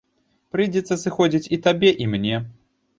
Прыйдзецца сыходзіць і табе, і мне.